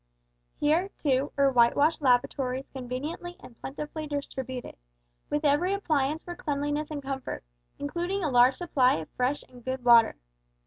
Here, too, were whitewashed lavatories conveniently and plentifully distributed, with every appliance for cleanliness and comfort, including a large supply of fresh and good water.